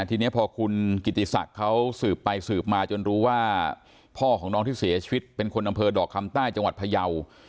ทีนี้พอคุณกิติศักดิ์เขาสืบไปสืบมาจนรู้ว่าพ่อของน้องที่เสียชีวิตเป็นคนอำเภอดอกคำใต้จังหวัดพยาว